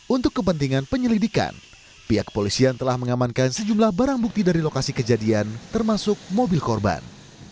untuk kepentingan penyelidikan pihak kepolisian telah mengamankan sejumlah barang bukti dari lokasi kejadian termasuk mobil korban